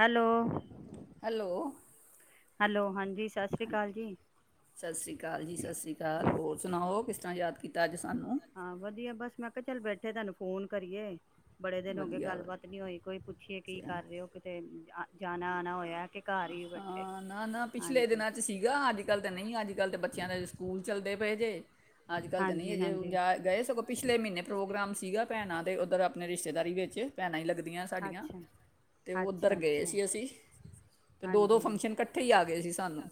Hello hello hello ਹਾਂਜੀ ਸਤਿ ਸ਼੍ਰੀ ਅਕਾਲ ਜੀ ਸਤਿ ਸ਼੍ਰੀ ਅਕਾਲ ਜੀ ਸਤਿ ਸ਼੍ਰੀ ਅਕਾਲ ਹੋਰ ਸੁਣਾਓ ਕਿਸ ਤਾਂ ਯਾਦ ਕੀਤਾ ਅੱਜ ਸਾਨੁ ਹਾਂ ਵਧੀਆ ਬਸ ਮੈਂ ਕਿਹਾ ਚੱਲ ਬੈਠੇ ਤੁਹਾਨੂੰ ਫੋਨ ਕਰੀਏ ਬੜੇ ਦਿਨ ਹੋ ਗਏ ਵਧੀਆ ਗੱਲਬਾਤ ਨੀ ਹੋਈ ਕੋਈ ਪੁੱਛੀਏ ਕੀ ਵਧੀਆ ਕਰ ਰਹੇ ਹੋ ਕਿਤੇ ਜਾਣਾ ਆਣਾ ਹੋਇਆ ਕਿ ਘਰ ਹੀ ਹੋ ਬੈਠੇ ਹਾਂ ਨਾ ਨਾ ਪਿਛਲੇ ਹਾਂਜੀ ਦਿਨਾਂ ਚ ਸੀਗਾ ਅੱਜ ਕੱਲ ਤਾਂ ਨਹੀਂ ਅੱਜ ਕੱਲ ਤਾਂ ਬੱਚਿਆਂ ਦੇ ਸਕੂਲ ਚੱਲਦੇ ਪਏ ਜੇ ਅੱਜ ਕੱਲ ਤਾਂ ਨਹੀਂ ਹਾਂਜੀ ਅਜੇ ਹਾਂਜੀ ਜਾ ਗਏ ਸਗੋਂ ਪਿਛਲੇ ਮਹੀਨੇ ਪ੍ਰੋਗਰਾਮ ਸੀਗਾ ਭੈਣਾਂ ਉੱਧਰ ਆਪਣੇ ਰਿਸ਼ਤੇਦਾਰੀ ਵਿੱਚ ਭੈਣਾ ਹੀ ਲੱਗ ਦੀਆਂ ਸਾਡੀਆਂ ਅੱਛਾ ਤੇ ਉਹ ਉੱਧਰ ਅੱਛਾ ਗਏ ਅੱਛਾ ਸੀ ਅਸੀਂ ਅਤੇ ਦੋ ਦੋ ਹਾਂਜੀ ਫੰਕਸ਼ਨ ਇਕੱਠੇ ਹੀ ਆ ਗਏ ਸੀ ਸਾਨੂੰ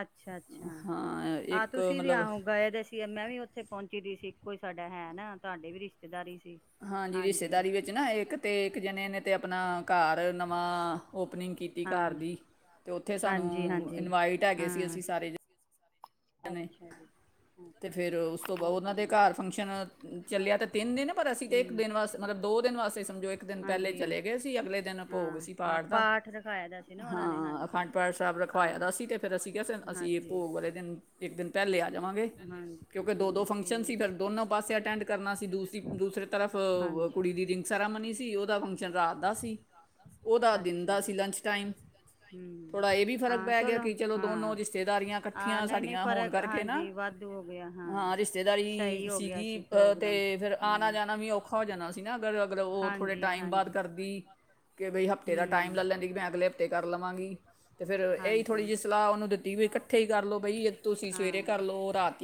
ਅੱਛਾ ਅੱਛਾ ਹਾਂ ਆਹ ਇੱਕ ਤੁਸੀਂ ਵੀ ਮਤਲਬ ਆਹੋ ਗਏ ਦੇ ਸੀ ਮੈਂ ਵੀ ਉੱਥੇ ਪਹੁੰਚੀ ਦੀ ਸੀ ਕੋਈ ਸਾਡਾ ਹੈ ਨਾ ਤੁਹਾਡੇ ਵੀ ਰਿਸ਼ਤੇਦਾਰੀ ਚ ਹਾਂਜੀ ਰਿਸ਼ਤੇਦਾਰੀ ਵਿੱਚ ਨਾ ਇੱਕ ਤੇ ਇੱਕ ਜਣੇ ਨੇ ਤੇ ਆਪਣਾ ਘਰ ਨਵਾਂ ਓਪਨਿੰਗ ਕੀਤੀ ਘਰ ਦੀ ਹਾਂਜੀ, ਤੇ ਉੱਥੇ ਹਾਂਜੀ, ਸਾਨੂੰ ਹਾਂਜੀ ਇਨਵਾਈਟ ਹੈਗੇ ਸੀ ਹਾਂ। ਅਸੀਂ ਸਾਰੇ ਜ ਅੱਛਾ ਜੀ ਤੇ ਫਿਰ ਉਸ ਤੋਂ ਬਾਅਦ ਉਹਨਾਂ ਦੇ ਹਾਂਜੀ, ਘਰ ਫੰਕਸ਼ਨ ਚੱਲਿਆ ਤਾਂ ਤਿੰਨ ਦਿਨ ਪਰ ਅਸੀਂ ਤਾਂ ਇੱਕ ਹੂੰ। ਦਿਨ ਵਾਸਤੇ ਮਤਲਬ ਦੋ ਦਿਨ ਵਾਸਤੇ ਸਮਝੋ ਇੱਕ ਦਿਨ ਪਹਿਲੇ ਹਾਂਜੀ, ਚਲੇ ਗਏ ਸੀ ਅਗਲੇ ਦਿਨ ਭੋਗ ਹਾਂ, ਸੀ ਹਾਂ ਪਾਠ ਦਾ ਰਖਾਇਆ ਦਾ ਸੀ ਨਾ ਉਹਨਾਂ ਨੇ ਹਾਂ ਹਾਂਜੀ। ਅਖੰਡ ਪਾਠ ਸਾਹਿਬ ਹਾਂ, ਰਖਵਾਇਆ ਦਾ ਸੀ ਅਤੇ ਫਿਰ ਅਸੀਂ ਕ ਅਸੀਂ ਇਹ ਹਾਂਜੀ। ਭੋਗ ਵਾਲੇ ਦਿਨ ਇੱਕ ਦਿਨ ਪਹਿਲੇ ਆ ਜਾਵਾਂਗੇ ਹਾਂਜੀ, ਕਿਉਂਕਿ ਦੋ ਹਾਂ ਦੋ ਫੰਕਸ਼ਨ ਸੀ ਠੀਕ, ਫਿਰ ਦੋਨੋ ਪਾਸੇ ਅਟੈਂਡ ਕਰਨਾ ਸੀ ਦੂਸਰੀ ਦੂਸਰੇ ਤਰਫ ਹਾਂਜੀ। ਕੁੜੀ ਦੀ ਰਿੰਗ ਸੈਰਾਮਨੀ ਸੀ ਉਹਦਾ ਫੰਕਸ਼ਨ ਰਾਤ ਦਾ ਸੀ ਉਹਦਾ ਦਿਨ ਅੱਛਾ, ਦਾ ਸੀ ਲੰਚ ਟਾਈਮ ਹੂੰ। ਥੋੜ੍ਹਾ ਇਹ ਵੀ ਫ਼ਰਕ ਹਾਂ ਪੈ ਗਿਆ ਕਿ ਚਲੋ ਦੋਨੋ ਰਿਸ਼ਤੇਦਾਰੀਆਂ ਇਕੱਠੀਆਂ ਸਾਡੀਆਂ ਹੋਣ ਫਰਕ ਕਰਕੇ ਨਾ ਹਾਂਜੀ ਵਾਧੂ ਹਾਂ ਸਹੀ ਰਿਸ਼ਤੇਦਾਰੀ ਹੋ ਗਿਆ ਸੀਗੀ ਸੀ ਪ੍ਰੋਗਰਾਮ ਅਤੇ ਫਿਰ ਆਉਣਾ ਹੂੰ। ਜਾਣਾ ਵੀ ਔਖਾ ਹੋ ਜਾਣਾ ਸੀ ਨਾ ਅਗਰ ਅਗਰ ਉਹ ਥੋੜ੍ਹੇ ਹਾਂਜੀ ਟਾਈਮ ਬਾਅਦ ਹਾਂਜੀ ਕਰਦੀ ਕਿ ਬਈ ਹਫ਼ਤੇ ਦਾ ਟਾਈਮ ਲੱ ਹੂੰ ਲੈਂਦੀ ਕਿ ਮੈਂ ਅਗਲੇ ਹਫ਼ਤੇ ਕਰ ਲਵਾਂਗੀ ਅਤੇ ਫਿਰ ਇਹੀ ਥੋੜ੍ਹੀ ਹਾਂਜੀ ਜਿਹੀ ਸਲਾਹ ਉਹਨੂੰ ਦਿੱਤੀ ਵੀ ਇਕੱਠੇ ਹੀ ਕਰ ਲਉ ਤੁਸੀਂ ਸਵੇਰੇ ਹਾਂ। ਕਰ ਲਓ ਰਾਤ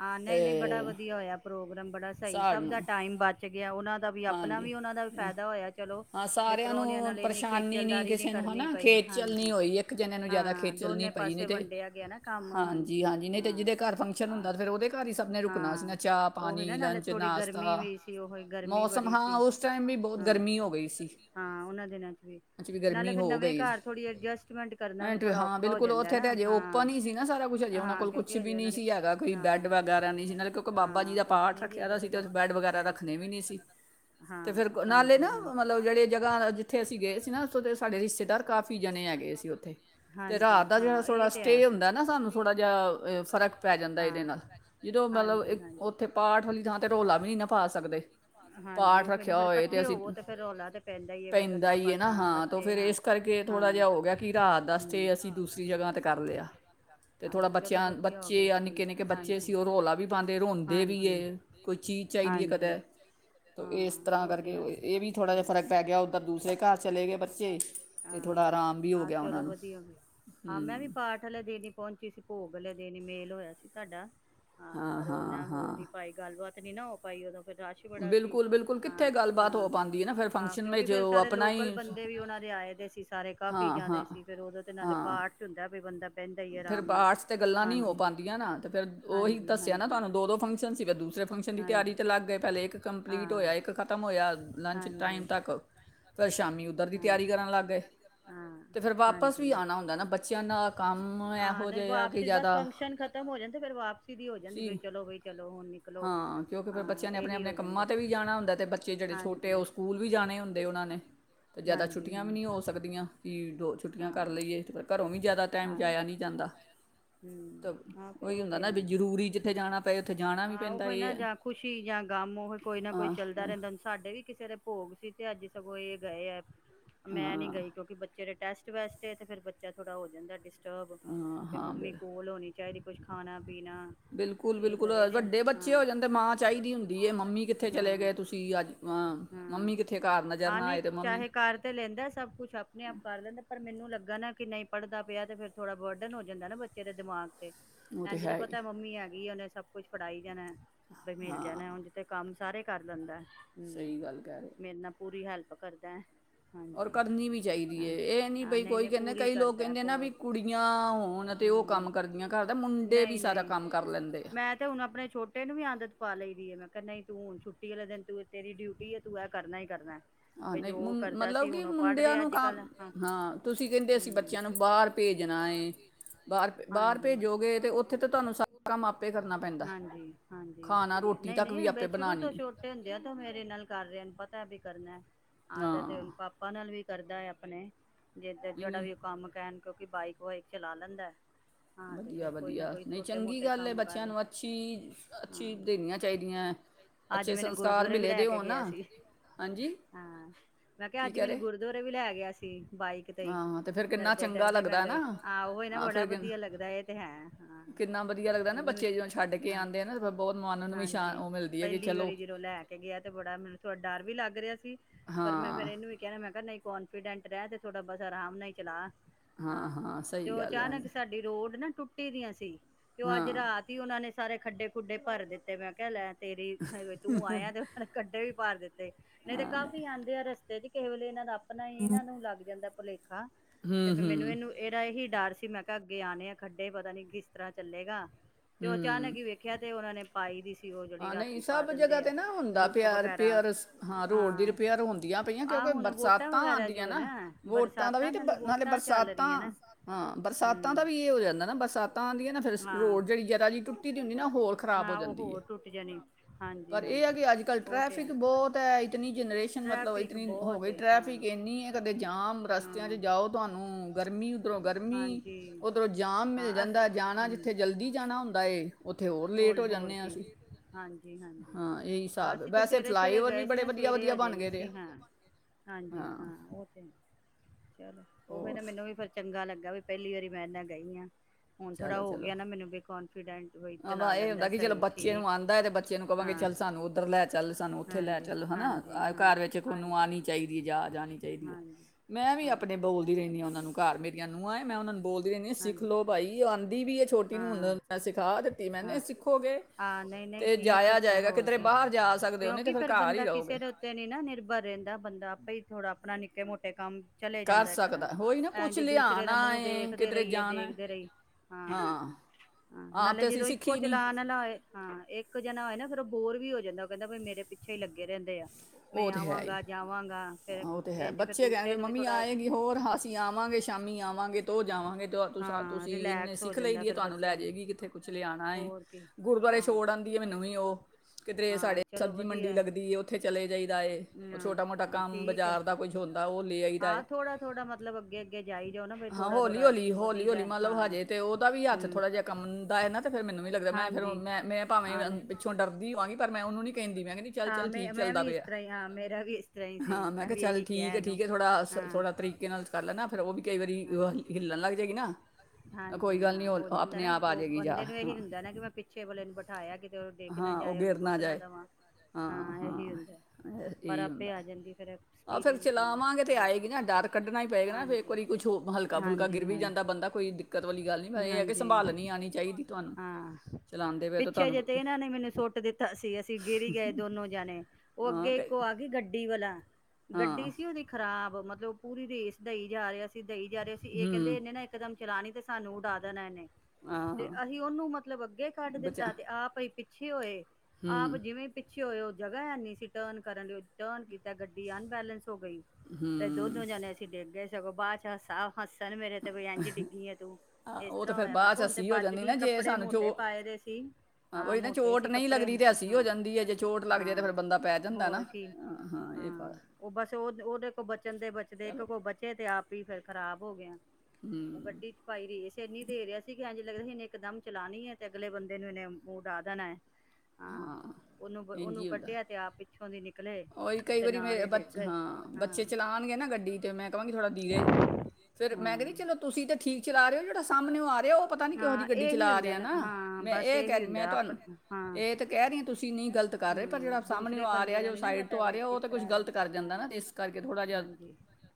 ਹਾਂ ਨਹੀਂ ਤੇ ਨਹੀਂ ਬੜਾ ਵਧੀਆ ਹੋਇਆ ਪ੍ਰੋਗਰਾਮ ਬੜਾ ਸਹੀ ਸਾੜ ਸਭ ਦਾ ਨੂੰ ਟਾਈਮ ਬੱਚ ਗਿਆ ਉਹਨਾਂ ਦਾ ਵੀ ਆਪਣਾ ਹਾਂਜੀ ਵੀ ਉਹਨਾਂ ਦਾ ਵੀ ਫਾਇਦਾ ਹੋਇਆ ਚਲ ਹਾਂ ਸਾਰਿਆਂ ਨੂੰ ਪਰੇਸ਼ਾਨੀ ਨਹੀਂ ਕਿਸੇ ਨੂੰ ਕਰਨੀ ਹੈਾ ਪਈ ਖੇਤ ਚੱਲਣੀ ਹਾਂਜੀ ਹੋਈ ਇੱਕ ਜਣਿਆਂ ਨੂੰ ਜ਼ਿਆਦਾ ਹਾਂ ਖੇਤ ਚੱਲਣੀ ਦੋਨੇ ਪਈ ਪਾਸੇ ਨਹੀਂ ਤੇ ਵੰਡਿਆ ਗਿਆ ਨਾ ਕੰਮ ਹਾਂਜੀ ਹਾਂਜੀ ਨਹੀਂ ਤਾਂ ਹਾਂ ਜਿਹਦੇ ਘਰ ਫੰਕਸ਼ਨ ਆ ਹੁੰਦਾ ਫਿਰ ਉਹਦੇ ਘਰ ਹੀ ਸਭ ਨੇ ਰੁਕਣਾ ਸੀ ਨਾ ਹਾਂ ਚਾਹ ਉਹੀ ਨਾ ਪਾਣੀ ਨਾਲੇ ਲੰਚ ਥੋੜ੍ਹੀ ਗਰਮੀ ਨਾਸ਼ਤਾ ਵੀ ਸੀ ਉਹੀ ਗਰਮੀ ਮੌਸਮ ਬੜੀ ਹਾਂ ਸੀ ਉਸ ਟਾਈਮ ਵੀ ਬਹੁਤ ਹਾਂ ਗਰਮੀ ਹੋ ਗਈ ਸੀ ਹਾਂ ਉਹਨਾਂ ਦਿਨਾਂ ਚ ਵੀ ਅੱਜ ਨਾਲੇ ਗਰਮੀ ਫਿਰ ਹੋ ਨਵੇਂ ਗਈ ਘਰ ਥੋੜ੍ਹੀ ਅਡਜਸਟਮੈਂਟ ਕਰਨਾ ਵੀ ਐਂਟ ਥੋੜਾ ਹਾਂ ਔਖਾ ਹੋ ਬਿਲਕੁਲ ਜਾਂਦਾ ਉੱਥੇ ਨਾ ਤਾਂ ਅਜੇ ਹਾਂ ਓਪਨ ਹੀ ਸੀ ਨਾ ਸਾਰਾ ਕੁਛ ਹਜੇ ਉਹਨਾਂ ਹਾਂ ਕੋਲ ਕੁਛ ਕਿਉਂਕਿ ਵੀ ਹਜੇ ਨੀ ਉਹਨਾਂ ਨੇ ਸੀ ਹੈਗਾ ਕੋਈ ਬੈੱਡ ਹਾਂ ਵਗੈਰਾ ਨਹੀਂ ਸੀ ਨਾਲੇ ਕਿਉਂਕਿ ਬਾਬਾ ਜੀ ਹਾਂ ਦਾ ਪਾਠ ਓਪਨਿੰਗ ਹੀ ਰੱਖਿਆ ਅਜੇ ਦਾ ਸੀ ਤੱਕ ਤੇ ਬੈੱਡ ਵਗੈਰਾ ਹਾਂਜੀ ਰੱਖਣੇ ਵੀ ਨੀ ਸੀ ਹਾਂ ਤੇ ਫਿਰ ਨਾਲੇ ਹਾਂਜੀ ਨਾ ਉਹ ਮਤਲਬ ਹਾਂਜੀ ਜਿਹੜੇ ਜਗ੍ਹਾ ਜਿੱਥੇ ਅਸੀਂ ਗਏ ਸੀ ਨਾ ਉੱਥੋਂ ਦੇ ਸਾਡੇ ਰਿਸ਼ਤੇਦਾਰ ਕਾਫੀ ਜਣੇ ਹੈਗੇ ਸੀ ਉੱਥੇ ਅਤੇ ਰਾਤ ਹਾਂਜੀ ਦਾ ਜਿਹੜਾ ਹਾਂ ਇਹ ਥੋੜ੍ਹਾ ਤੇ ਹੈ ਸਟੇ ਹੁੰਦਾ ਨਾ ਸਾਨੂੰ ਥੋੜ੍ਹਾ ਜਿਹਾ ਫਰਕ ਪੈ ਜਾਂਦਾ ਹਾਂ ਇਹਦੇ ਨਾਲ ਜਦੋਂ ਮਤਲਬ ਹਾਂਜੀ ਹਾਂਜੀ ਉੱਥੇ ਪਾਠ ਵਾਲੀ ਥਾਂ ਤੇ ਰੌਲਾ ਵੀ ਨਹੀਂ ਨਾ ਪਾ ਸਕਦੇ ਹਾਂਜੀ ਪਾਠ ਉਹ ਫਿਰ ਨਾ ਰੱਖਿਆ ਫਿਰ ਹੋਏ ਤੇ ਇਕੱਠੇ ਅਸੀਂ ਹੋਵੋ ਫਿਰ ਰੌਲਾ ਤੇ ਪੈਂਦਾ ਹੀ ਹੈ ਫਿਰ ਪੈਂਦਾ ਗੱਲਾਂ ਹੈ ਨਾ ਬਾਤਾਂ ਹਾਂ ਤੇ ਬੱਚੇ ਫੇਿਰ ਹਾਂ ਇਸ ਕਰਕੇ ਥੋੜ੍ਹਾ ਹਾਂ ਜਿਹਾ ਹੋ ਗਿਆ ਕਿ ਰਾਤ ਦਾ ਹਮ ਸਟੇ ਅਸੀਂ ਦੂਸਰੀ ਜਗ੍ਹਾ ਤੇ ਕਰ ਲਿਆ ਤੇ ਹਾਂ ਥੋੜ੍ਹਾ ਚਲੋ ਬੱਚਿਆਂ ਵਧੀਆ ਹੋ ਬੱਚੇ ਗਿਆ ਜਾਂ ਨਿੱਕੇੇ ਠੀਕ ਨਿੱਕੇੇ ਬੱਚੇ ਹਾਂਜੀ ਸੀ ਉਹ ਰੌਲਾ ਵੀ ਪਾਉਦੇ ਰੋਂਦੇ ਵੀ ਹਾਂਜੀ ਹੈ ਕੋਈ ਚੀਜ਼ ਚਾਹੀਦੀ ਹੈ ਹਾਂਜੀ ਕਦੇ ਤੋ ਹਾਂ ਇਸ ਤਰ੍ਹਾਂ ਉਹ ਤੇ ਕਰਕੇ ਹੈ ਇਹ ਵੀ ਥੋੜ੍ਹਾ ਜਿਹਾ ਹਮ ਫਰਕ ਪੈ ਗਿਆ ਉੱਧਰ ਦੂਸਰੇ ਘਰ ਚਲੇ ਗਏ ਬੱਚੇ ਅਤੇ ਹਾਂ, ਥੋੜ੍ਹਾ ਆਰਾਮ ਵੀ ਹੋ ਹਾਂ ਗਿਆ ਉਹਨਾਂ ਚਲੋ ਨੂੰ ਵਧੀਆ ਹੋਗਿਆ। ਹਾਂ ਮੈਂ ਵੀ ਹਮ ਪਾਠ ਆਲੇ ਦਿਨ ਹੀ ਪਹੁੰਚੀ ਭੋਗ ਲੈ ਦੇਣੀ ਮੇਲ ਹੋਇਆ ਸੀ ਤੁਹਾਡਾ ਹਾਂ ਪਰ ਹਾਂ ਉਹਨਾਂ ਹੋ ਹਾਂ ਨੀ ਭਾਈ ਗੱਲਬਾਤ ਨਹੀਂ ਨਾ ਹੋ ਪਾਈ ਉਦੋਂ ਰਸ਼ ਬੜਾ ਸੀ ਬਿਲਕੁਲ ਬਿਲਕੁਲ ਹਾਂ ਕਿੱਥੇ ਗੱਲਬਾਤ ਹਾਂ ਹੋ ਪਾਉਂਦੀ ਹੈ ਨਾ ਫਿਰ ਹਾਂ ਫੰਕਸ਼ਨ ਕਿਉਂਕਿ ਵਿੱਚ ਫੇਰ ਉਹ ਸਾਰੇ ਆਪਣਾ ਲੋਕਲ ਹੀ ਬੰਦੇ ਵੀ ਉਹਨਾਂ ਦੇ ਆਏ ਦੇ ਸੀ ਸਾਰੇ ਕਾਫੀ ਹਾਂ ਹਾਂ ਜਾਨੇ ਸੀ ਫੇਰ ਉਹਦੇ ਦੇ ਨਾਲੇ ਹਾਂ ਪਾਠ ਚ ਹੁੰਦਾ ਵੀ ਬੰਦਾ ਬਹਿੰਦਾ ਹੀ ਫਿਰ ਆਰਾਮ ਨਾਲ। ਪਾਠ ਤੇ ਗੱਲਾਂ ਨਹੀਂ ਹੋ ਹਾਂਜੀ, ਪਾਉਂਦੀਆਂ ਨਾ ਤੇ ਫਿਰ ਉਹੀ ਹਾਂਜੀ, ਦੱਸਿਆ ਨਾ ਹਾਂਜੀ, ਤੁਹਾਨੂੰ ਦੋ ਦੋ ਫੰਕਸ਼ਨ ਸੀ ਫਿਰ ਦੂਸਰੇ ਫੰਕਸ਼ਨ ਦੀ ਤਿਆਰੀ ਹਾਂਜੀ, ਚ ਲੱਗ ਗਏ ਪਹਿਲੇ ਇੱਕ ਕੰਪਲੀਟ ਹਾਂ। ਹੋਇਆ ਇੱਕ ਖ਼ਤਮ ਹੋਇਆ ਲੰਚ ਟਾਈਮ ਹਾਂਜੀ, ਤੱਕ, ਫਿਰ ਸ਼ਾਮੀ ਉੱਧਰ ਦੀ ਹਾਂ, ਤਿਆਰੀ ਕਰਨ ਲੱਗ ਗਏ ਹਾਂ, ਤੇ ਫਿਰ ਵਾਪਸ ਵੀ ਹਾਂਜੀ। ਆਉਣਾ ਹੁੰਦਾ ਹੈ ਨਾ ਬੱਚਿਆਂ ਨਾਲ ਕੰਮ ਹਾਂ ਇਹੋ ਨਹੀਂ ਜਿਹਾ ਕਿ ਵਾਪਸੀ ਬਸ ਜ਼ਿਆਦਾ ਫੰਕਸ਼ਨ ਖ਼ਤਮ ਹੋ ਜਾਂਦੀ ਫੇਰ ਵਾਪਸੀ ਦੀ ਹੋ ਜਾਂਦੀ ਬਈ ਸੀ ਚਲੋ ਬਈ ਚਲੋ ਹੁਣ ਨਿਕਲੋ ਹਾਂ ਕਿਉਂਕਿ ਫਿਰ ਹਾਂ ਬੱਚਿਆਂ ਨੇ ਆਪਣੇ ਇਹੀ ਹੋ ਆਪਣੇ ਜਾਂਦਾ ਕੰਮਾਂ 'ਤੇ ਵੀ ਜਾਣਾ ਹੁੰਦਾ ਅਤੇ ਬੱਚੇ ਜਿਹੜੇ ਛੋਟੇ ਹਾਂਜੀ ਉਹ ਸਕੂਲ ਵੀ ਜਾਣੇ ਹੁੰਦੇ ਉਹਨਾਂ ਨੇ ਅਤੇ ਜ਼ਿਆਦਾ ਹਾਂਜੀ ਛੁੱਟੀਆਂ ਵੀ ਨਹੀਂ ਹਾਂਜੀ ਹੋ ਸਕਦੀਆਂ [unintelligible] ਦੋ ਛੁੱਟੀਆਂ ਹਾਂ ਕਰ ਲਈਏ ਘਰੋਂ ਵੀ ਜ਼ਿਆਦਾ ਟਾਈਮ ਜਾਇਆ ਹਾਂਜੀ ਨਹੀਂ ਜਾਂਦਾ ਤਾਂ ਹਮ ਹਾਂ ਫਿਰ ਉਹੀ ਉਹ ਹੁੰਦਾ ਤੇ ਨਾ ਹੈ ਵੀ ਜ਼ਰੂਰੀ ਜਿੱਥੇ ਜਾਣਾ ਪਏ ਉੱਥੇ ਜਾਣਾ ਵੀ ਹੋ ਇਹ ਨਾ ਹੈ। ਜਾਂ ਖੁਸ਼ੀ ਜਾਂ ਗਮ ਉਹ ਕੋਈ ਨਾ ਕੋਈ ਹਾਂ ਚੱਲਦਾ ਰਹਿੰਦਾ ਸਾਡੇ ਵੀ ਕਿਸੇ ਦੇ ਭੋਗ ਸੀ ਤੇ ਅੱਜ ਸਗੋਂ ਇਹ ਗਏ ਆ ਮੈਂ ਨੀ ਹਾਂ ਗਈ ਕਿਉਂਕਿ ਬੱਚੇ ਟੈਸਟ ਵੈਸਟ ਤੇ ਫਿਰ ਬੱਚਾ ਥੋੜ੍ਹਾ ਜਾਂਦਾ ਡੀਸ ਟਰਬ ਹਾਂ ਤੇ ਮੰਮੀ ਹਾਂ ਕੋਲ ਹੋਣੀ ਕਿਹ ਰਹੇ ਕੁੱਛ ਖਾਣਾ ਪੀਣਾ ਬਿਲਕੁਲ ਇਹ ਬਿਲਕੁਲ ਗਏ ਦੇ ਵੱਡੇ ਬੱਚੇ ਹਾਂ ਹੋ ਜਾਂਦੇ ਮਾਂ ਚਾਹੀਦੀ ਹੁੰਦੀ ਮੰਮੀ ਕਿੱਥੇ ਚਲੇ ਹਾਂ ਗਏ ਤੁਸੀਂ ਅੱਜ ਅਹ ਮੰਮੀ ਕਿੱਥੇ ਘਰ ਹਾਂ ਨਜ਼ਰ ਨਾ ਆਨੇ ਆਏ ਤੇ ਮੰਮੀ ਚਾਹੇ ਕਰ ਤੇ ਲੈਂਦਾ ਸਭ ਕੁਛ ਆਪਣੇ ਆਪ ਕਰ ਲੈਂਦਾ ਪਰ ਮੈਨੂੰ ਲੱਗਾ ਨਾ ਕਿ ਨਹੀਂ ਪੜ੍ਹਦਾ ਪਿਆ ਤੇ ਫਿਰ ਥੋੜਾ ਬਰਡਨ ਹੋ ਜਾਂਦਾ ਨਾ ਬੱਚੇ ਦੇ ਦਿਮਾਗ ਉਹ ਹਾਂਜੀ ਤੇ ਹੈ ਹੀ ਪਤਾ ਮੰਮੀ ਹੈਗੀ ਆ ਉਹਨੇ ਸਭ ਕੁਛ ਫੜਾਈ ਜਾਣਾ ਬਈ ਮਿਲ ਜਾਣਾ ਹੈ ਓਂਜ ਤੇ ਕੰਮ ਸਾਰੇ ਕਰ ਦੈਂਦਾ ਹਮ ਸਹੀ ਗੱਲ ਕਹਿ ਰਹੇ ਮੇਰੇ ਨਾਲ ਪੂਰੀ ਹੇਲਪ ੳਹ ਕਰਦਾ ਹੈ ਔਰ ਕਰਨੀ ਵੀ ਚਾਹੀਦੀ ਇਹ ਨੀ ਹਾਂ ਬਈ ਨਹੀਂ ਕੋਈ ਨਹੀਂ ਕਹਿੰਦੇ ਪੂਰੀ ਕਈ ਲੋਕ ਕਰਦਾ ਕਹਿੰਦੇ ਨਾ ਵੀ ਬਹੁਤ ਕੁੜੀਆਂ ਹੋਣ ਤੇ ਉਹ ਹੂੰ, ਕੰਮ ਕਰਦੀਆਂ ਘਰ ਦਾ ਮੁੰਡੇ ਵੀ ਸਾਰਾ ਨਹੀਂ-ਨਹੀਂ ਕੰਮ ਕਰ ਲੈਂਦੇ ਆ ਮੈਂ ਤੇ ਹੁਣ ਆਪਣੇ ਛੋਟੇ ਨੂੰ ਵੀ ਆਦਤ ਪਾ ਲਈ ਦੀ ਹੈ ਮੈਂ ਕਿਹਾ ਨਹੀਂ ਤੂੰ ਹੁਣ ਛੁੱਟੀ ਵਾਲੇ ਦਿਨ ਤੂੰ ਤੇਰੀ ਡਿਊਟੀ ਤੂੰ ਇਹ ਕਰਨਾ ਈ ਕਰਨਾ ਆਹ ਨਹੀਂ ਮੁ ਮਤਲਬ ਕਿ ਮੁੰਡਿਆਂ ਨੂੰ ਕਾਮ ਕ ਹਮ ਨੂੰ ਬਾਹਰ ਭੇਜਣਾ ਏ ਬਾਹਰ ਬਾਹਰ ਹਾਂਜੀ ਭੇਜੋਗੇ ਤੇ ਉੱਥੇ ਤਾਂ ਤੁਹਾਨੂੰ ਸਾਰਾ ਕੰਮ ਆਪੇ ਕਰਨਾ ਪੈਂਦਾ ਹਾਂਜੀ ਹਾਂਜੀ ਖਾਣਾ ਰੋਟੀ ਨਹੀਂ ਤੱਕ ਵੀ ਆਪੇ ਨਹੀਂ ਸ਼ੁਰੂ ਤੋਂ ਬਣਾਉਣੀ ਛੋਟੇ ਹੁੰਦੇ ਆ ਤੇ ਮੇਰੇ ਨਾਲ ਕਰ ਰਹੇ ਪਤਾ ਵੀ ਕਰਨਾ ਆਦਤ ਹਾਂ ਏ ਹੁਣ ਪਾਪਾ ਨਾਲ ਵੀ ਕਰਦਾ ਆਪ ਆਪਣੇ ਜਿੱਦਾ ਨਹੀਂ ਜਿਹੜਾ ਨਹੀਂ ਵੀ ੳਹ ਕੰਮ ਕਹਿਣ ਕਿ ਬਾਈਕ ਵਾਈਕ ਚਲਾ ਲੈਂਦਾ ਹਾਂ ਤੇ ਵਧੀਆ ਫੇਰ ਕੋਈ ਨਾ ਵਧੀਆ ਕੋਈ ਨਹੀਂ ਛੋਟੇ ਚੰਗੀ ਮੋਟੇ ਗੱਲ ਹੈ ਕੰਮ ਕਰ ਬੱਚਿਆਂ ਲੈ ਨੂੰ ਅੱਛੀ ਅੱਛੀ ਹਾਂ ਦੇਣੀਆਂ ਚਾਹੀਦੀਆਂ ਅੱਜ ਅੱਛੇ ਮੈਨੂੰ ਸੰਸਕਾਰ ਗੁਰਦੁਆਰੇ ਵੀ ਮਿਲੇ ਲੈ ਦੇ ਕੇ ਹੋ ਨਾ ਗਿਆ ਸੀ ਹਾਂਜੀ ਹਾਂ ਕੀ ਕਰਹਿਹੇ ਠੀਕ ਬਾਈਕ ਤੇ ਈ ਡਰਦੇ ਚੰਗਾ ਡਰਦੇ ਮੈਂ ਲੱਗਦਾ ਗਈ ਨਾ ਆਹ ਨਾ ਹਾਂ ਬੜਾ ਫਿਰ ਵਧੀਆ ਕਿੰਨ- ਲੱਗਦਾ ਇਹ ਤੇ ਹੈ ਹਾਂ ਕਿੰਨਾ ਵਧੀਆ ਲੱਗਦਾ ਨਾ ਇਹਨੂੰ ਵੀ ਬੱਚੇ ਜਦੋਂ ਛੱਡ ਕੇ ਹਾਂ ਆਉਂਦੇ ਆ ਨਾ ਤੇ ਫਿਰ ਬਹੁਤ ਮਨ ਨੂੰ ਵੀ ਸ਼ਾਂ ਹਾਂਜੀ ਉਹ ਮਿਲਦੀ ਹੈ ਕਿ ਪਹਿਲੀ ਚਲੋ ਵਾਰੀ ਜਦੋਂ ਲੈ ਕੇ ਗਿਆ ਤੇ ਬੜਾ ਮੈਨੂੰ ਥੋੜਾ ਡਰ ਵੀ ਲੱਗ ਰਿਹਾ ਸੀ ਪਰ ਮੈਂ ਫਿਰ ਹਾਂ ਇਹਨੂੰ ਵੀ ਕਿਹਾ ਮੈਂ ਕਿਹਾ ਨਹੀਂ ਕੋਂਫਿਡੈਂਟ ਰਹਿ ਤੇ ਥੋੜਾ ਬਸ ਆਰਾਮ ਨਾਲ ਹੀ ਚਲਾ ਹਾਂ ਤੇ ਸਹੀ ਉਹ ਗੱਲ ਹੈ ਅਚਾਨਕ ਸਾਡੀ ਰੋਡ ਨਾ ਟੁੱਟੀ ਦੀਆਂ ਸੀ ਤੇ ਉਹ ਅੱਜ ਹਾਂ ਰਾਤ ਹੀ ਉਹਨਾ ਨੇ ਸਾਰੇ ਖੱਡੇ ਖੁੱਡੇ ਭਰ ਦਿੱਤੇ ਮੈਂ ਕਿਹਾ ਲੈ ਤੇਰੀ ਤੂੰ ਆਇਆ ਤੇ ਕੱਢੇ ਵੀ ਭਾਰ ਦਿੱਤਾ ਨਹੀਂ ਤੇ ਕਾਫੀ ਆਉਂਦੇ ਆ ਰਸਤੇ ਚ ਕਿਸੇ ਵੇਲੇ ਇਹਨਾਂ ਦਾ ਆਪ ਆਪਣਾ ਇਹਨਾਂ ਨੂੰ ਜਂਤਾ ਪੱਲੇ ਤੇ ਫ ਹੂੰ ਮੈਨੂੰ ਹੂੰ ਇਹਨੂੰ ਇਹਦਾ ਇਹੀ ਡਰ ਸੀ ਮੈਂ ਕਿਹਾ ਅੱਗੇ ਆਉਣੇ ਆ ਖੱਡੇ ਪਤਾ ਨੀ ਕਿਸ ਤਰ੍ਹਾਂ ਚੱਲੇਗਾ ਤੇ ਉਹ ਅਚਾਨਕ ਹੀ ਵੇਖਿਆ ਤੇ ਉਹਨਾਂ ਨੇ ਪਾਈ ਦੀ ਸੀ ਉਹ ਜਿਹੜੀ ਹਾਂ ਨਹੀਂ ਰਾਤੀ ਪਾ ਸਭ ਜਗ੍ਹਾ ਦਿੰਦੇ ਆ। ਤੇ ਨਾ ਹੁੰਦਾ ਲੁੱਕ ਪਿਆ ਵਗੈਰਾ ਰਿਪੇਅਰ ਹਾਂ ਰੋਡ ਦੀ ਰਿਪੇਅਰ ਹੁੰਦੀਆਂ ਪਈਆਂ ਆਹ ਕਿਉਂਕਿ ਹੁਣ ਵੋਟਾਂ ਬਰਸਾਤਾਂ ਵਗੈਰਾ ਆਉਂਦੀਆਂ ਜੂ ਹੈ ਨਾ ਵੋਟਾਂ ਦਾ ਵੀ ਬਰਸਾਤਾਂ ਤੇ ਨਾਲੇ ਵੋਟਾਂ ਚੱਲ ਰਹੀਆਂ ਬਰਸਾਤਾਂ, ਨਾ ਹਾਂ ਬਰਸਾਤਾਂ ਦਾ ਹੂੰ ਵੀ ਏ ਹੋ ਜਾਂਦਾ ਨਾ ਬਰਸਾਤਾਂ ਆਂਦੀਆਂ ਨਾ ਫਿਰ ਹਾਂ ਰੋਡ ਜਿਹੜੀ ਜਰਾ ਜਈ ਟੁੱਟੀ ਦੀ ਹੁੰਦੀ ਨਾ ਹੋਰ ਖਰਾਬ ਹੋ ਹਾਂ ਉਹ ਜਾਂਦੀ ਐ। ਹੋਰ ਟੁੱਟ ਜਾਣੀ ਹਾਂਜੀ ਪਰ ਏ ਆ ਹਾਂਜੀ ਕਿ ਅੱਜ ਕੱਲ ਉਹ ਤੇ ਹੈ ਟ੍ਰੈਫਿਕ ਬੋਤ ਐ, ਇਤਨੀ ਜਨਰੇਸ਼ਨ ਮਤਲਬ ਟ੍ਰੈਫਿਕ ਇਤਨੀ ਹੋ ਬਹੁਤ ਗਈ ਏ ਹਾਂ ਟ੍ਰੈਫਿਕ ਏਨੀ ਐ, ਕਦੇ ਜਾਮ ਰਸਤਿਆਂ 'ਚ ਹਾਂ ਜਾਓ ਤੁਆਨੂੰ ਗਰਮੀ ਉੱਧਰੋਂ ਗਰਮੀ, ਹਾਂਜੀ ਓੱਧਰੋਂ ਜਾਮ ਹਾਂ ਮਿਲ ਅਸੀਂ ਜਾਂਦੈ ਜਾਣਾ ਹੂੰ ਜਿੱਥੇ ਜਲਦੀ ਜਾਣਾ ਹੁੰਦੈ, ਉੱਥੇ ਹੋਰ ਲੇਟ ਹੋ ਹੋਰ ਜਾਣੇ ਆਂ ਕੀ ਅਸੀਂ। ਹਾਂਜੀ ਹਾਂਜੀ, ਹਾਂ ਇਹੀ ਆਹ ਹਿਸਾਬ ਹੈ ਅਸੀਂ ਤੇ ਵੈਸੇ ਸਵੇਰੇ ਸਵੇਰੇ ਫਲਾਈਓਵਰ ਵੀ ਗਏ ਸੀ ਬੜੇ ਨਾ ਵਧੀਆ ਸਵੇਰੇ ਵਧੀਆ ਹਜੇ ਬਣ ਨਈਂ ਗਏ ਦੇ ਆ ਸੀ ਹਾਂ, ਹਾਂਜੀ ਹਾਂ ਚਲੋ ਓਹੀ ਨਾ ਹੋਰ ਮੈਨੂੰ ਵੀ ਫਿਰ ਚੰਗਾ ਲੱਗਾ ਵੀ ਪੈੱਲੀ ਵਾਰੀ ਮੈਂ ਏਂਨਾ ਗਈ ਆਂ। ਹੁਣ ਥੋੜਾ ਹੋ ਗਿਆ ਨਾ ਮੈਨੂੰ ਬੀ ਕੋਂਨਫੀਡੈਂਟ। ਬਈ ਚਲਾ ਆ ਏ ਲੈਂਦਾ ਹੁੰਦਾ ਕਿ ਜਦੋਂ ਸਹੀ ਬੱਚੇ ਠੀਕ ਨੂੰ ਆਂਦਾ ਐ ਤੇ ਬੱਚੇ ਨੂੰ ਕਵਾਂਗੇ ਹਾਂ ਚੱਲ ਸਾਨੂੰ ਉੱਧਰ ਲੈ ਚੱਲ ਸਾਨੂੰ ਓੱਥੇ ਲੈ ਹਾਂਜੀ ਚੱਲ ਹਨਾ ਹਾਂਜੀ ਹਾਂ ਘਰ ਵਿੱਚ ਕੋਨੂੰ ਹਾਂਜੀ ਆਉਣੀ ਚਾਹੀਦੀ ਹੈ ਜਾ ਜਾ ਆਉਣੀ ਚਾਹੀਦੀ। ਹਾਂਜੀ ਮੈਂ ਵੀ ਹਾਂ ਆਪਣੇ ਬੋਲਦੀ ਰੈਣੀ ਆਂ ਓਨਾਂ ਨੂੰ ਘਰ ਮੇਰੀਆਂ ਨੂੰਆਂਏ ਮੈਂ ਓਨਾਂ ਨੂੰ ਬੋਲਦੀ ਰੈਣੀ ਆਂ ਹਾਂਜੀ ਸਿੱਖਲੋ ਬਾਈ ਆਂਦੀ ਵੀ ਛੋਟੀ ਨੂੰਹੁ ਆਂ, ਆ ਨਈਂ ਨਈਂ ਤੇ ਠੀਕ ਜਾਇਆ ਕੀਤਾ ਜਾਏਗਾ ਹੋਰ ਕਿਧਰੇ ਕੀ ਬਾਹਰ ਜਾ ਸਕਦੇ ਹੋ ਨਹੀਂ ਤੇ ਕੇਉਂਕਿ ਫਿਰ ਫੇਰ ਘਰ ਹੀ ਬੰਦਾ ਕਿਸੇ ਰਹੋਗੇ ਦੇ ਓੱਤੇ ਨੀ ਨਾ ਨਿਰਭਰ ਰੈਂਦਾ ਬੰਦਾ ਆਪੇ ਈ ਥੋੜ੍ਹਾ ਆਪਣਾ ਨਿੱਕੇ ਮੋਟੇ ਕੰਮ ਚਲੇ ਕਰ ਜਾਂਦਾ ਕਰਨ, ਸਕਦਾ ਹੋਈ ਨਾ ਐਂ ਕੁਛ ਜੇ ਦੂਸਰੇ ਦਾ ਲਿਆਣਾ ਮੂੰਹ ਏ ਦੇਖਦੇ ਕਿਧਰੇ ਰਈਏ ਜਾਣਾ ਹੈ। ਦੇਖਦੇ ਰਈ ਹਾਂ, ਆਂ ਆਪ ਨਾਲੇ ਤੇ ਅਸੀਂ ਜਿਦੋਂ ਇੱਕੋ ਸਿੱਖੀ ਨਹੀਂ ਚਲਾਨ ਲਾ ਹਾਂ ਇੱਕ ਜਣਾ ਹੋਏ ਨਾ ਫੇਰ ਓ ਬੋਰ ਵੀ ਹੋ ਜਾਂਦਾ ਕਹਿੰਦਾ ਵੀ ਮੇਰੇ ਪਿੱਛੇ ਈ ਲੱਗੇ ਰੈਂਦੇ ਆ। ਮੈਂ ਉਹ ਤੇ ਹੈ ਹੀ ਆਵਾਂਗਾ, ਜਾਵਾਂਗਾ ਫੇਰ ਹਾਂ, ਉਹ ਤੇ ਹੈ ਬੱਚੇ ਕਹਿਣਗੇ ਮੰਮੀ ਆਏਗੀ ਹੋਰ ਹ ਅਸੀਂ ਆਵਾਂਗੇ ਸ਼ਾਮੀ ਆਵਾਂਗੇ ਤੋ ਓ ਜਾਵਾਂਗੇ ਤੋ ਤੁਸਾਂ ਹਾਂ ਤੁਸੀ ਏਨੇ ਰਿਲੈਕਸ ਹੋ ਸਿੱਖ ਲਈ ਜਾਂਦਾ ਦੀਏ ਫਿਰ ਤੁਹਾਨੂੰ ਲੈ ਬੱਚਿਆਂ ਨੂੰ ਜਾਏਗੀ ਕਿੱਥੇ ਕੁਛ ਲਿਆਨਾ ਏ ਹੋਰ ਕੀ ਗੁਰਦੁਆਰੇ ਹਾਂ ਸੋ਼ੜ ਆਂਦੀ ਏ ਮੈਨੂੰ ਵੀ ਓ ਕਿਦਰੇ ਹਾਂ ਸਾਡੇ ਚਲੋ ਸਬਜੀ ਮੰਡੀ ਵਧੀਆ ਲੱਗਦੀ, ਓਥੇ ਚਲੇ ਜਾਈਦ ਏ, ਓ ਹਾਂ ਛੋਟਾ-ਮੋਟਾ ਹਾਂ ਕੰਮ ਠੀਕ ਹੈ ਬਜਾਰ ਦਾ ਕੋਈ ਹੋਂਦਾ ਓ ਲੇ ਆਈਦਾ ਐ, ਹਾਂ ਥੋੜਾ ਥੋੜਾ ਮਤਲਬ ਅੱਗੇ ਅੱਗੇ ਜਾਈ ਜਾਓ ਨਾ ਫਿਰ ਹਾਂ ਥੋੜਾ ਹੋਲੀ ਥੋੜਾ ਹੋਲੀ, ਵਧੀ ਹੋਲੀ ਹੋਲੀ ਜਾਏ ਮਨਲੋ ਹਾਂ ਹਜੇ ਤੇ ਓਦਾ ਵੀ ਹੱਥ ਹਮ ਥੋੜਾ ਜੇਆ ਕਮੰ ਦਾ ਏ ਨਾ ਤੇ ਫੇਰ ਮੈਨੂੰ ਵੀ ਲੱਗਦਾ ਮੈਂ ਫਿਰ ਹਾਂਜੀ ਮੈਂ, ਮੈਂ ਭਾਵੇਂ ਆਨ ਪਿੱਛੋਂ ਡਰਦੀ ਹੋਵਾਂਗੀ। ਮੈਂ ਓਨੂੰ ਨੀ ਕੈਂਦੀ ਮੈਂ, ਮੈ ਕੈਂਦੀ ਚੱਲ ਹਾਂ ਚੱਲ ਮੈਂ ਠੀਕ ਮੈਂ ਚੱਲਦਾ ਵੀ ਇਸ ਪਿਆ, ਤਰ੍ਹਾਂ ਹੀ ਹਾਂ ਮੇਰਾ ਵੀ ਇਸ ਤਰ੍ਹਾਂ ਹੀ ਸੀ ਹਾਂ, ਮੈਂ ਕੇ ਵੀ ਚੱਲ ਇਹੀ ਠੀਕ ਕਿਹਾ ਏ, ਇਹਨੂੰ ਠੀਕ ਏ ਥੋੜਾ ਹਾਂ ਫਿਰ ਉਹ ਵੀ ਕਈ ਵਾਰੀ ਉਹ ਹਾਂਜੀ, ਹਿੱਲਣ ਲੱਗ ਜਾਏਗੀ ਨਾ ਕੋਈ ਹਾਂਜੀ ਗੱਲ ਹਾਂ ਨਹੀਂ ਹੋ ਉਹ ਜਾਂਦਾ ਆਪਣੇ ਨਾ ਆਪ ਆ ਓ ਜਾਏਗੀ ਜਾ ਬੰਦੇ ਨੂੰ ਏਹੀ ਹਾਂ ਹੁੰਦਾ ਨਾ ਕਿ ਮੈਂ ਪਿੱਛੇ ਵਾਲੇ ਨੂੰ ਬਿਠਾਯਾ ਕਿਤੇ ਓ ਡੇਗ ਨਾ ਹਾਂ ਉਹ ਜਾਏ ਉਹਨੂੰ ਗਿਰ ਸੁੱਟ ਨਾ ਜਾਏ ਦਵਾਂ ਹਾਂ ਏ ਹਾਂ, ਏਈ ਹੁੰਦਾ ਫਿਰ ਆਹ ਫੇਰ ਐਕਸਪੀਰੀਅੰਸ ਨਾਲ ਚਲਾਵਾਂਗੇ ਤੇ ਹਾਂ। ਆਏਗੀ ਨਾ ਡਰ ਕੱਢਣਾ ਈ ਪਏਗਾ ਨਾ ਫੇ ਏਕ ਹਾਂਜੀ, ਵਾਰੀ ਕੁਛ ਹੋ ਹਲਕਾ ਫੁਲਕਾ ਹਾਂਜੀ, ਗਿਰ ਵੀ ਹਾਂ, ਜਾਂਦਾ ਬੰਦਾ ਕੋਈ ਦਿੱਕਤ ਵਾਲੀ ਗੱਲ ਨੀ, ਪ ਏ ਆ ਕਿ ਹਾਂਜੀ। ਸੰਭਾਲਨੀ ਆਨੀ ਚਾਈਦੀ ਤੁਆਨੂੰ, ਹਾਂ, ਚਲਾਂਦੇ ਪਏ ਪਿੱਛੇ ਤਾਨੂੰ। ਜੇ ਤੇ ਇਹਨਾਂ ਨੇ ਮੈਨੂੰ ਜਾ ਨੇ, ਓ ਅੱਗੇ ਇੱਕ ਓ ਆ ਗਈ ਗੱਡੀ ਵਾਲਾ ਹਾਂ ਗੱਡੀ ਸੀ ਓਦੀ ਖਰਾਬ ਮਤ ਤ ਪੂਰੀ ਰੇਸ ਦਈ ਜਾ ਰੇਆ ਸੀ ਦਈ ਜਾ ਰੇ ਸੀ, ਇਹ ਕੈਂਦੇ ਹੂੰ ਏਨੇ ਨਾ ਇੱਕਦਮ ਚਲਾਨੀ ਤੇ ਸਾਨੂੰ ਉਡਾ ਦੇਨਾ ਐਨੇ ਤੇ ਹਾਂ ਅਹੀ ਓਨੂੰ ਮਤਲਬ ਅੱਗੇ ਕੱਢ ਬਚਾ ਦਿੱਤਾ ਤੇ ਆਪ ਅਹੀ ਪੀ ਛੇ ਹੋਏ ਆਪ ਹੂੰ ਜਿਵੇਂ ਪਿੱ [unintelligible] ਉਹ ਜਗ੍ਹਾ ਐਨੀ ਸੀ ਟਰਨ ਕਰਨ ਲਈ, ਟਰਨ ਕੀਤਾ ਗੱਡੀ ਅਨਬੈਲੈਂਸ ਹੋ ਗਈ ਤੇ ਦੋਨੋ ਜਾਣੇ ਅਸੀਂ ਡਿੱਗ ਗਏ ਸ ਸਗੋਂ ਬਾਅਦ ਚ ਸਾ ਹੱਸਣ ਮੇਰੇ ਤੇ ਕੋਈ ਇੰਝ ਡਿੱਗੀ ਹੈ ਤੂੰ, ਆ, ਇਸ ਉਹ ਤਾਂ ਤਰ੍ਹਾਂ ਫਿਰ ਹੋਇਆ, ਮੈਂ ਬਾਅਦ ਕਿਹਾ ਚ ਹੁਣ ਤੇ ਅਸੀਂ ਹੋ ਜਾਂਦੀ ਬਚਗੀ, ਨਾ ਜੇ ਕੱਪੜੇ ਸਾਨੂੰ ਚੋ ਮੋਟੇ ਪਾਏ ਦੇ ਸੀ। ਹਾਂ ਉਹੀ ਨਾ ਮੋਟੇ ਚੋਟ ਸੀ ਨਹੀਂ ਕੱਪੜੇ, ਲੱਗਦੀ ਤੇ ਅਸੀਂ ਹੋ ਹਾਂ, ਜਾਂਦੀ ਹੈ ਜੇ ਚੋਟ ਲੱਗ ਜਾਏ ਤਾਂ ਫਿਰ ਹਾਂ, ਬੰਦਾ ਪੈ ਜਾਂਦਾ ਨਾ ਹੋਰ ਕੀ, ਹਾਂ ਇਹ ਪਾ ਹਾਂ। ਉਹ ਬਸ ਉਹ ਉਹਦੇ ਕੋਲ ਬਚਣ ਦੇ ਬਚਦੇ ਇੱਕ ਚਲੋ ਕੋਲ ਬਚੇ ਤੇ ਆਪ ਵੀ ਫੇਰ ਖਰਾਬ ਹੋ ਗਿਆਂ ਉਹ ਗੱਡੀ ਚ ਪਾਈ ਰਹੀ ਸੀ, ਇੰਨੀ ਦੇ ਰਿਹਾ ਸੀ ਕਿ ਅਗਲੇ ਨੇ ਇਕ ਇੱਕ ਦਮ ਚਲਾਣੀ ਹੈ ਤੇ ਅਗਲੇ ਬੰਦੇ ਨੂੰ ਇਹਨੇ ਉਡਾ ਦੇਣਾ ਹੈ। ਹਾਂ ਉਹਨੂੰ ਇੰਜ ਉਹਨੂੰ ਹੀ ਹੁੰਦਾ ਕੱਢਿਆ ਤੇ ਆਪ ਪਿੱਛੋਂ ਦੀ ਨ ਉਹੀ ਕਈ ਵਾਰੀ ਮੇਰੇ ਬੱਚ, ਹਾਂ, ਬੱਚੇ ਚਲਾਣਗੇ ਨਾ ਗੱਡੀ ਤੇ ਮੈਂ ਕਹਾਂਗੀ ਥੋੜਾ ਫਿਰ ਮੈਂ ਕਹਿੰਦੀ, ਚਲੋ ਹਾਂ ਤੁਸੀਂ ਤੇ ਠੀਕ ਚਲਾ ਰਹੇ ਹੋ ਜਿਹੜਾ ਸਾਹਮਣੇ ਆ ਰਿਹਾ, ਉਹ ਪਤਾ ਨੀ ਕਿਹੋ ਹਾਂ ਜਿਹੀ ਗੱਡੀ ਇਹੀ ਚਲਾ ਹੁੰਦਾ ਰਿਹਾ ਨਾ। ਹਾਂ ਮੈਂ ਬਸ ਇਹ ਕਹਿ ਇਹੀ ਰਹੀ ਮੈਂ ਹੁੰਦਾ ਆਪ ਤੁਹਾਨੂੰ, ਹਾਂ ਇਹ ਤੇ ਕਹਿ ਰਹੀ ਹਾਂ, ਤੁਸੀਂ ਨੀ ਗਲਤ ਕਰ ਰਹੇ ਪਰ ਹਮ ਜਿਹੜਾ ਸਾਹਮਣੇ ਦੂਸਰੇ ਆ ਬੰਦੇ ਰਿਹਾ ਜ ਦਾ ਨੀ ਨਾ ਸਾਈਡ ਪਤਾ ਤੋਂ ਆ ਬਈ ਰਿਹਾ ਕਿਸ ਉਹ ਤਾਂ ਕੁਛ ਤਰ੍ਹਾਂ ਦਾ ਗਲਤ ਕਰ ਜਾਂਦਾ ਹਾਂ ਨਾ ਅਤੇ ਇਸ ਕਰਕੇ ਥੋੜ੍ਹਾ ਜਿਹਾ, ਹਾਂਜੀ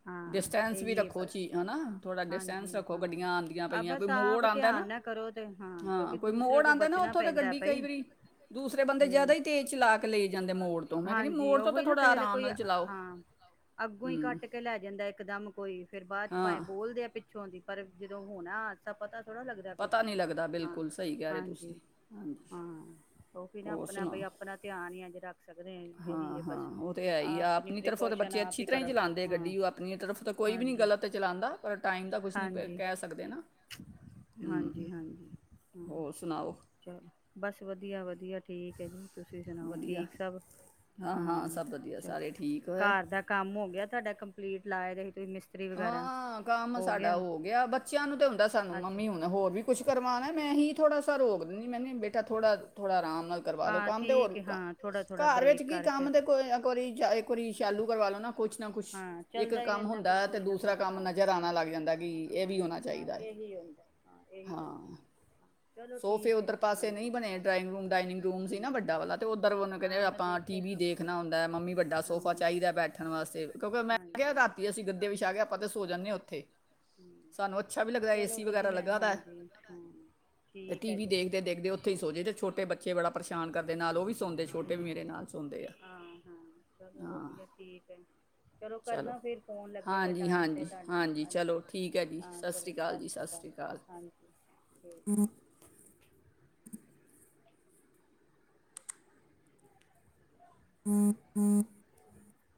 ਹਾਂ ਡਿਸਟੈਂਸ ਵੀ ਇਹੀ ਹੈ ਰੱਖੋ ਬਸ ਚੀ ਨ ਨਾ। ਥੋੜ੍ਹਾ ਹਾਂਜੀ ਡਿਸਟੈਂਸ ਰੱਖੋ ਹਾਂ ਗੱਡੀਆਂ ਆਉਂਦੀਆਂ ਆ ਪਈਆਂ ਕੋਈ ਬਸ ਆਪ ਮੋੜ ਆਂਦੈ ਧਿਆਨ ਨਾ, ਕਰੋ ਤੇ ਕਿਉਂਕਿ ਹਾਂ, ਕੋਈ ਦੂਸਰੇ ਮੋੜ ਕੋਲ ਆਂਦੈ ਨਾ ਬਚਣਾ ਓਥੋਂ ਤਾਂ ਪੈਂਦਾ ਗੱਡੀ ਭਾਈ ਕਈ ਵਾਰੀ ਦੂਸਰੇ ਬੰਦੇ ਜਿਆਦਾ ਈ ਤੇਜ਼ ਚਲਾ ਕੇ ਲੇ ਜਾਂਦੇ ਮੋੜ ਤੋਂ ਮੈਂ ਕਹਿੰਦੀ ਜੀ ਮੋੜ ਤੋਂ ਤਾਂ ਉਹੀ ਨਾ ਥੋੜਾ ਕਿਸੇ ਲੇ ਆਰਾਮ ਕੋਈ ਨਾਲ ਚਲਾਓ ਹਾਂ ਅੱਗੋਂ ਹੀ ਹੂੰ ਕੱਟ ਕੇ ਲੈ ਜਾਂਦਾ ਇੱਕ ਦਮ ਕੋਈ ਫੇਰ ਬਾਅਦ ਚ ਭਾਇਂ ਹਾਂ ਬੋਲਦੇ ਆ ਪਿੱਛੋਂ ਦੀ ਪਰ ਜਦੋਂ ਹੋਣਾ ਅੱਛਾ ਪਤਾ ਥੋੜ੍ਹਾ ਲੱਗਦਾ ਕੁਛ। ਪਤਾ ਨਹੀਂ ਲੱਗਦਾ ਹਾਂ, ਬਿਲਕੁਲ ਸਹੀ ਕਹਿ ਰਹੇ ਤੁਸੀਂ ਹਾਂਜੀ, ਹਾਂਜੀ ਹਾਂ ਉਹ ਵੀ ਨਾ ਹੋਰ ਆਪਣਾ ਬਈ ਸੁਣਾਓ ਆਪਣਾ ਧਿਆਨ ਹੀ ਆ ਜਿਹੜਾ- ਹਾਂ ਹਾਂ, ਉਹ ਤਾਂ ਹੈ ਹੀ ਆ, ਆਪਣੀ ਤਰਫੋਂ ਤਾਂ ਪ੍ਰੀਕੋਸ਼ਨ ਬੱਚੇ ਆਪ ਅੱਛੀ ਤਰ੍ਹਾਂ ਹੀ ਕਰੋ ਚਲਾਂਦੇ ਹਾਂ ਗੱਡੀ, ਉਹ ਆਪਣੀ ਤਰਫ ਤਾਂ ਕੋਈ ਵੀ ਨਹੀਂ ਹਾਂਜੀ ਗਲਤ ਚਲਾਂਦਾ ਪਰ ਟਾਈਮ ਦਾ ਕੁਛ ਨਹੀਂ ਹਾਂਜੀ ਕਹਿ ਸਕਦੇ ਨਾ। ਹੂੰ ਹਾਂਜੀ ਹਾਂਜੀ ਹਮ ਹੋਰ ਸੁਣਾਓ ਚੱਲ ਬਸ ਵਧੀਆ ਵਧੀਆ ਠੀਕ ਹੈ ਜੀ, ਤੁਸੀਂ ਸੁਣਾਓ, ਵਧੀਆ ਠੀਕ ਸਭ? ਹਾਂ ਸਭ ਵਧੀਆ ਚਲੋ ਸਾਰੇ ਠੀਕ ਹੋਇਆ ਘਰ ਦਾ ਕੰਮ ਹੋ ਗਿਆ। ਸਾਡਾ ਕੰਪਲੀਟ ਲਾਏ ਰੇ ਹਾਂ ਕੰਮ ਸਾਡਾ ਹੋ ਗਿਆ ਬੱਚਿਆਂ ਨੂੰ ਤੇ ਹੁੰਦਾ ਸਾਨੂੰ ਅੱਛਾ ਮੰਮੀ ਹੁਣ ਹੋਰ ਵੀ ਕੁਛ ਕਰਵਾਉਣਾ, ਮੈਂ ਹੀ ਥੋੜਾ ਸਾ ਰੋਕ ਦਿੰਦੀ ਮੈਂ [unintelligible] ਬੇਟਾ ਥੋੜਾ ਥੋੜ੍ਹਾ ਆਰਾਮ ਨਾਲ ਕਰਵਾ ਲਉ ਹਾਂ ਕੰਮ ਅਤੇ ਠੀਕ ਹੋਰ ਹੈ ਹਾਂ ਥੋੜਾ ਥੋੜਾ ਘਰ ਵਿੱਚ ਬ੍ਰੇਕ ਕੀ ਕਰਕੇ ਕੰਮ ਤਾਂ ਕੋਈ ਇੱਕ ਵਾਰੀ ਇੱਕ ਵਾਰੀ ਸ਼ਾਲੂ ਕਰਵਾ ਲਉ ਨਾ ਕੁਛ ਨਾ ਕੁਛ ਹਾਂ ਇੱਕ ਚੱਲਦਾ ਹੀ ਕੰਮ ਰਹਿੰਦਾ ਹੁੰਦਾ ਫਿਰ ਤੇ ਕੋਈ ਨਾ ਦੂਸਰਾ ਕੋਈ ਕੰਮ ਹਾਂ ਨਜਰ ਆਣਾ ਲੱਗ ਜਾਂਦੈ ਕਿ, ਏ ਵੀ ਹੋਣਾ ਹਾਂਜੀ ਹਾਂ ਚਾਈਦਾ ਐ ਇਹੀ ਹੁੰਦਾ ਹਾਂ ਇਹੀ ਹੈ ਹਾਂ। ਹਾਂ ਚਲੋ ਸੋਫੇ ਠੀਕ ਹੈ ਓਦਰ ਪਾਸੇ ਨਈ ਹਾਂਜੀ ਬਣੇ ਡਰਾਇੰਗ ਰੂਮ ਡਾਇਨਿੰਗ ਰੂਮ ਸੀ ਨਾ ਹਾਂਜੀ ਵੱਡਾ ਵਾਲਾ, ਤੇ ਓਧਰ ਓਨੂੰ ਕੈੰਦੇ ਹਾਂ ਮੈਂ ਆਪਾਂ, ਟੀ ਦੇਖਿਆ ਵੀ ਸੀ ਦੇਖਣਾ ਹੁੰਦਾ ਏ, ਮੰਮੀ ਵੱਡਾ ਸੋਫਾ ਹਾਂ ਚਾਹੀਦਾ ਏ ਬੈਠਣ ਵਾਸਤੇ ਕਿਓੰ ਕਿ ਮੈਂ ਕਿਹਾ ਹਾਂਜੀ ਰਾਤੀ ਅਸੀ ਗ ਛਾਗਿਆਪਾਂ ਤੇ ਸੋਜਾਨਿਆ ਓੱਥੇ, ਹਮ, ਸਾਨੂੰ ਅੱਛਾ ਵੀ ਲਗਦਾ ਇ ਚਲੋ ਏ-ਸੀ ਵਗੈਰਾ ਵਧੀਆ ਹੈ, ਲਗਾੱਤਾ ਏ, ਹਾਂਜੀ ਹਾਂ ਤੇ ਠੀਕ ਹੈ ਟੀ-ਵੀ ਜੀ ਦੇਖਦੇ ਦੇਖਦੇ ਉੱਥੇ ਹੀ ਕੇ ਸੋਜੇ ਦੇ ਦੇਖੀ ਛੋਟੇ ਬੱ ਬੱਚੇ ਬੜਾ ਪਰੇਸ਼ਾਨ ਕਰਦੇ ਨਾਲ ਓ ਪਰੇਸ਼ਾਨ ਵੀ ਰਹਿੰਦੇ ਸੌੰਦੇ ਨਾਲ ਖੁਸ਼ ਛੋਟੇ ਰਹਿੰਦੇ ਮੇਰੇ ਨਾਲ ਛੋਟੇ ਸੌੰਦੇ ਮੇਰੇ। ਆ, ਹਾਂ ਹਾਂ ਚਲੋ ਹਾ ਵਧੀਆ ਠੀਕ ਹੈ ਚਲੋ ਕਰਨਾ ਫਿਰ ਫੋਨ ਲੱਗੇਗਾ ਹਾਂਜੀ ਟਾਈਮ ਤੇ ਹਾਂਜੀ ਤੁਹਾਨੂੰ ਹਾਂਜੀ ਚਲੋ ਠੀਕ ਹੈ ਜੀ ਹਾਂ ਸਤਿ ਚਲੋ ਸ਼੍ਰੀ ਅਕਾਲ ਜੀ ਸਤਿ ਸ਼੍ਰੀ ਅਕਾਲ ਹਾਂਜੀ ਠੀਕ [inaudible]